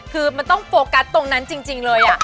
คือมันต้องโฟกัสตรงนั้นจริงเลย